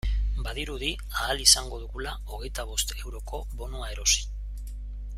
Badirudi ahal izango dugula hogeita bost euroko bonua erosi.